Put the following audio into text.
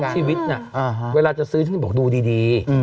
ประกันชีวิตน่ะเวลาจะซื้อที่นี่บอกดูดี